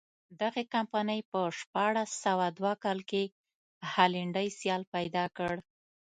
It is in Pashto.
دغې کمپنۍ په شپاړس سوه دوه کال کې هالنډی سیال پیدا کړ.